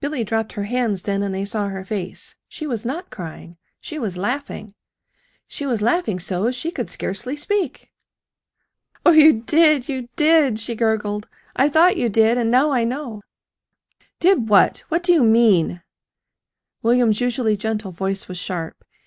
Billy dropped her hands then, and they saw her face. She was not crying. She was laughing. She was laughing so she could scarcely speak. "Oh, you did, you did!" she gurgled. "I thought you did, and now I know!" "Did what? What do you mean?" William's usually gentle voice was sharp.